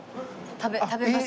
食べます？